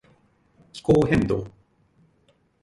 気候変動